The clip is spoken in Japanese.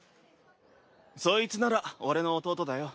そいつなら俺の弟だよ。